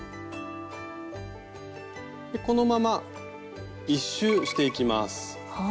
このまま１周していきます。